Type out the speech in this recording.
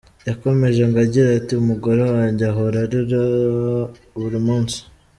Yakomeje ngo agira ati “Umugore wanjye ahora arira buri munsi.